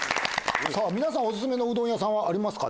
皆さんオススメのうどん屋さんはありますか？